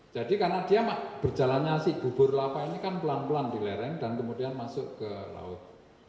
jadi karena dia berjalannya si bubur lava ini kan pelan pelan di lereng dan kemudian masuk ke laut